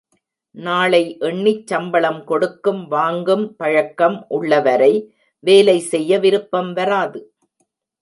நாளை எண்ணிச் சம்பளம் கொடுக்கும், வாங்கும் பழக்கம் உள்ள வரை வேலை செய்ய விருப்பம் வராது.